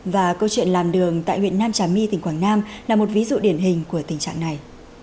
và câu chuyện làn đường tại huyện nam trà my tỉnh quảng nam là một ví dụ điển hình của tình trạng này